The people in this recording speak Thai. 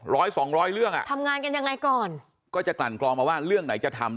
ร้อยสองร้อยเรื่องอ่ะทำงานกันยังไงก่อนก็จะกลั่นกรองมาว่าเรื่องไหนจะทำ